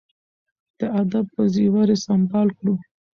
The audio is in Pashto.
د ادب په زیور یې سمبال کړو.